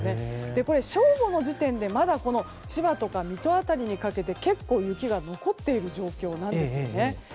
正午の時点でまだ千葉とか水戸辺りにかけて結構雪が残っている状況なんですよね。